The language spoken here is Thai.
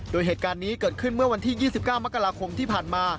โดยเหตุการณ์นี้เกิดขึ้นเมื่อวันที่๒๙มกราคมที่ผ่านมา